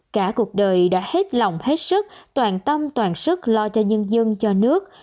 cả cuộc đời đã hết lòng hết sức toàn tâm toàn sức lo cho nhân dân cho nước